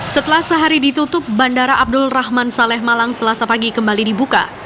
setelah sehari ditutup bandara abdul rahman saleh malang selasa pagi kembali dibuka